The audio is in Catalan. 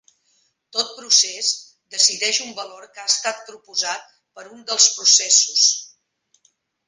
Tot procés decideix un valor que ha estat proposat per un dels processos.